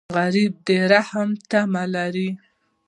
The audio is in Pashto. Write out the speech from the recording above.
غریب د رحم تمه لري